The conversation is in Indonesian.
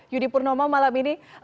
yudi purnomo malam ini